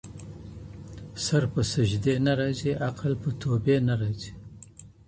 سر په سجدې نه راځي، عقل په توبې نه راځي